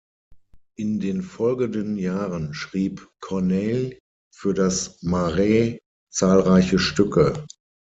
In den folgenden Jahren schrieb Corneille für das Marais zahlreiche Stücke.